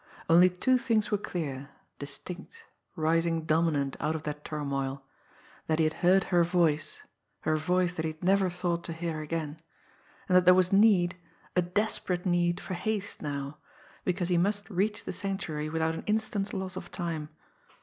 Only two things were clear, distinct, rising dominant out of that turmoil that he had heard her voice, her voice that he had never thought to hear again; and that there was need, a desperate need for haste now, because he must reach the Sanctuary without an instant's loss of time.